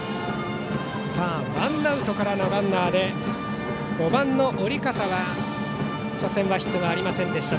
ワンアウトからのランナーで５番の織笠は初戦、ヒットがありませんでした。